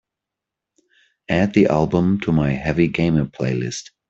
Add the album to my Heavy Gamer playlist.